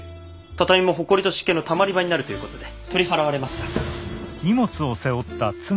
畳もほこりと湿気のたまり場になるという事で取り払われました。